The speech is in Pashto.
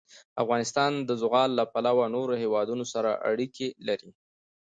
افغانستان د زغال له پلوه له نورو هېوادونو سره اړیکې لري.